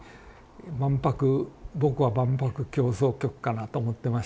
万博僕は万博狂騒曲かなと思ってました。